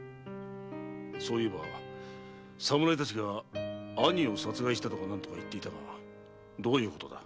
そういえば侍たちが「兄を殺害した」とか何とか言ってたがどういうことだ？